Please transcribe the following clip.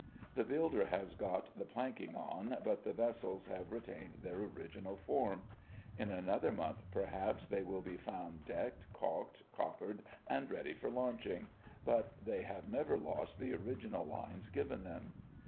The builder has got the planking on, but the vessels have retained their original form. In another month, perhaps, they will be found decked, caulked, coppered, and ready for launching; but they have never lost the original lines given them.